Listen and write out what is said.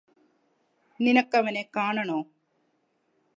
നിനക്കവനെ കാണണോ